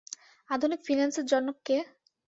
আধুনিক ফিন্যান্সের জনক কে?